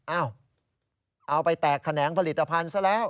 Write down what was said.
เอาไปแตกแขนงผลิตภัณฑ์ซะแล้ว